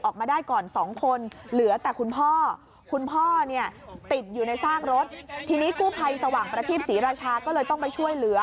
ใครสว่างประทีปศรีราชาก็เลยต้องไปช่วยเหลือ